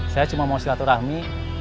saya cuma mau silaturahmi